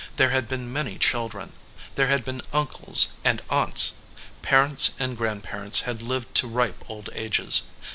There had been many children. There had been uncles and aunts. Parents and grandparents had lived to ripe old ages.